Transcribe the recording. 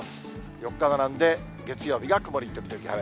４日並んで、月曜日が曇り時々晴れ。